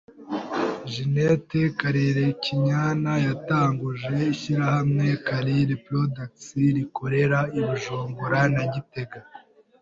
Ginette Karirekinyana yatanguje ishirahamwe Karire Products rikorera i Bujumbura na Gitega